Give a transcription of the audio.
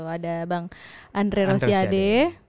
ada bang andre rosiade